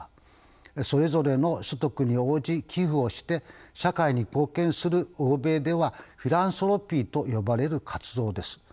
それぞれの所得に応じ寄付をして社会に貢献する欧米ではフィランソロピーと呼ばれる活動です。